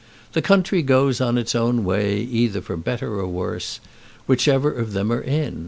The country goes on its own way, either for better or for worse, whichever of them are in.